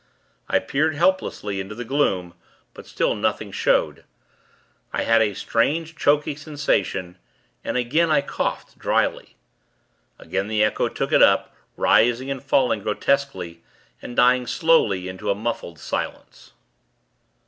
I peered, helplessly, into the gloom; but still nothing showed. I had a strange, choky sensation, and again I coughed, dryly. Again the echo took it up, rising and falling, grotesquely, and dying slowly into a muffled silence.